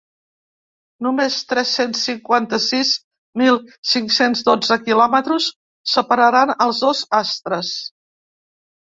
Només tres-cents cinquanta-sis mil cinc-cents dotze quilòmetres separaran els dos astres.